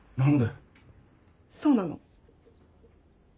そうなの？